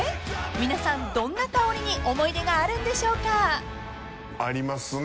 ［皆さんどんな香りに思い出があるんでしょうか？］ありますね。